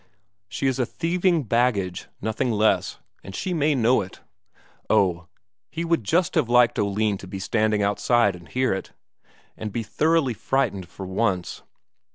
She is a thieving baggage, nothing less, and she may know it! Oh, he would just have liked Oline to be standing outside and hear it, and be thoroughly frightened for once.